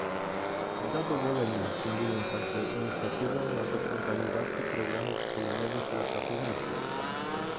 Z zadowoleniem przyjmuję także inicjatywę na rzecz organizacji programów szkoleniowych dla pracowników